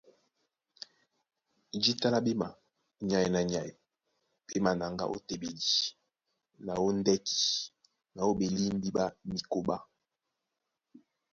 Jǐta lá ɓéma, nyay na nyay ɓé manaŋgá ó téɓedi na ó ndɛ́ki na ó ɓelímbí ɓá mikóɓá.